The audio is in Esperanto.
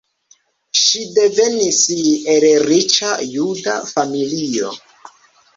Ŝi devenis el riĉa juda familio.